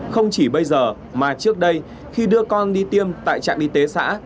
không chỉ bây giờ mà trước đây khi đưa con đi tiêm tại trạm y tế xã